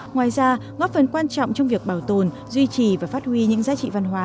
ngoài ra góp phần quan trọng trong việc bảo tồn duy trì và phát huy những giá trị văn hóa